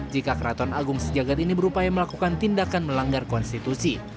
jika keraton agung sejagat ini berupaya melakukan tindakan melanggar konstitusi